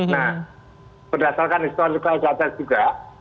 nah berdasarkan historis kisah juga